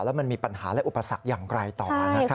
แล้วมันมีปัญหาและอุปสรรคอย่างไรต่อ